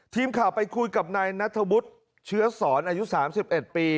ทีมข่าวไปคุยกับนายนัทธวุฒิเชื้อสอนอายุ๓๑ปี